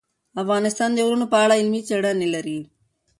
افغانستان د غرونه په اړه علمي څېړنې لري.